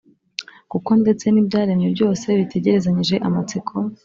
kuko ndetse n ibyaremwe byose bitegerezanyije amatsiko